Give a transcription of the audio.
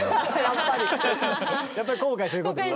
やっぱり後悔することも。